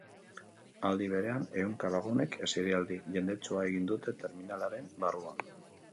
Aldi berean, ehunka lagunek eserialdi jendetsua egin dute terminalaren barruan.